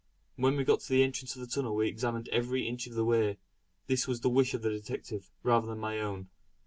When we got to the entrance of the tunnel we examined every inch of the way; this was the wish of the detective rather than my own.